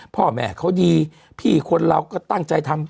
พ่อแม่เขาดีพี่คนเราก็ตั้งใจทำ